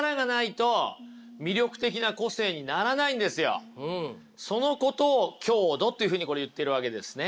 そもそもそのことを強度っていうふうにこれ言ってるわけですね。